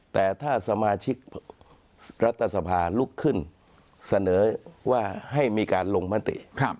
แต่ถ้าสมาชิกรัฐสภาลุกขึ้นเสนอว่าให้มีการลงมติ